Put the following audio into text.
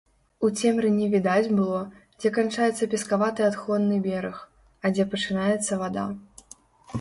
У цемры не відаць было, дзе канчаецца пескаваты адхонны бераг, а дзе пачынаецца вада.